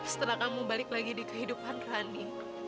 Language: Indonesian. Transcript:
setelah kamu balik lagi di kehidupan rani